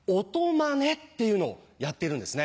まねっていうのをやっているんですね。